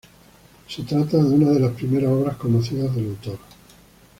Se trata de una de las primeras obras conocidas del autor.